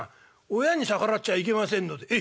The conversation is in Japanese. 親に逆らっちゃいけませんのでええ。